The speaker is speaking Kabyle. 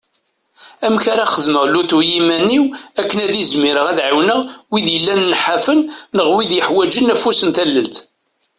Amek ara xedmeɣ lutu i yiman-iw akken ad izmireɣ ad ɛiwneɣ wid yellan nḥafen d wid yeḥwaǧen afus n tallelt.